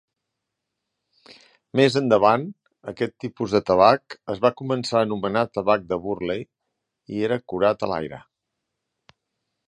Més endavant, aquest tipus de tabac es va començar a anomenar tabac de Burley, i era curat a l'aire.